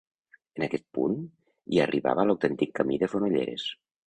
En aquest punt hi arribava l'antic camí de Fonolleres.